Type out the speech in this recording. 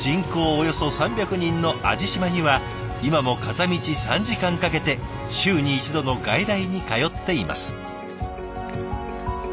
およそ３００人の網地島には今も片道３時間かけて週に一度の外来に通っています。